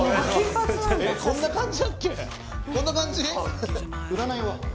こんな感じ？